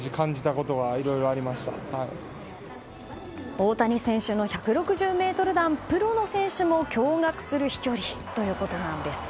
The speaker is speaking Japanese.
大谷選手の１６０ｍ弾プロの選手も驚愕する飛距離ということですね。